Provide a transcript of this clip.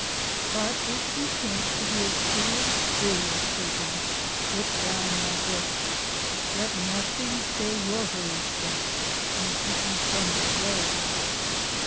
But if you chance to be a truly serious person, put down my book. Let nothing stay your hurried steps, nor keep you from your way.